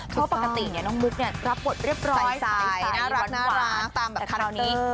เพราะปกตินุ๊กเนี่ยรับบทเรียบร้อยสายน่ารักตามฮาเร็กเตอร์